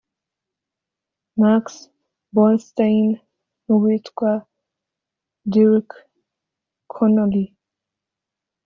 Max Borenstein n’uwitwa Derek Connolly